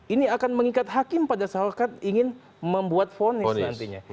ini akan mengikat hakim pada saat ingin membuat fonis nantinya